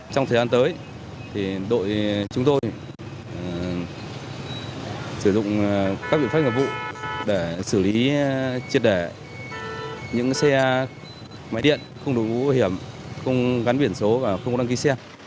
trong thời gian tới đội chúng tôi sử dụng các biện pháp ngợp vụ để xử lý chiết đẻ những xe máy điện không đội mũ bảo hiểm không gắn biển số và không đăng ký xe